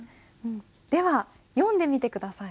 では読んでみて下さい。